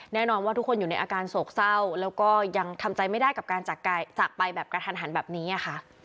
แน่นอนว่าทุกคนอยู่ในอาการโศกเศร้าแล้วก็ยังทำใจไม่ได้กับการจากไปแบบกระทันหันแบบนี้ค่ะ